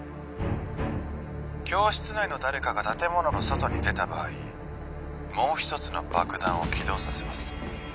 教室内の誰かが建物の外に出た場合もう一つの爆弾を起動させます